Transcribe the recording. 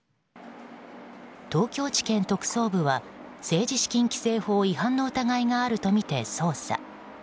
東京地検特捜部は政治資金規正法違反の疑いがあるとみて捜査。